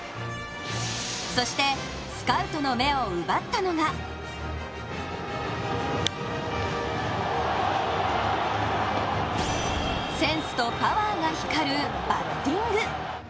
そして、スカウトの目を奪ったのがセンスとパワーが光るバッティング。